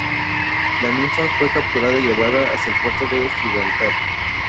La "Ninfa" fue capturada y llevada hasta el puerto de Gibraltar.